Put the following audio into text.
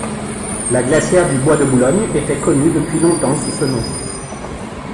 La glacière du Bois de Boulogne était connue depuis longtemps sous ce nom.